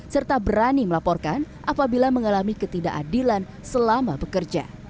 serta berani melaporkan apabila mengalami ketidakadilan selama bekerja